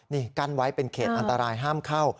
นี่กั้นไว้เป็นเขตอันตรายห้ามเข้า